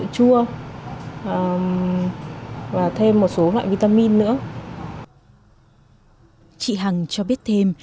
chị phương thị lệ hằng cho biết thêm